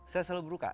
saya selalu berbuka